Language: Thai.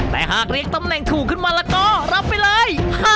แต่หากเรียกตำแหน่งถูกขึ้นมาแล้วก็รับไปเลย